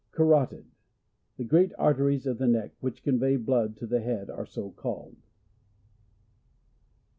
Carotid. — The great arteries of the neck, which convey blood to the head, arc so called.